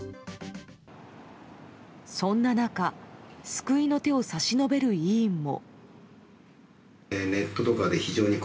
そんな中、救いの手を差し伸べる医院も。